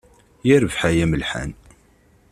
Yerbeḥ ay amelḥan.